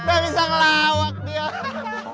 udah bisa ngelawak dia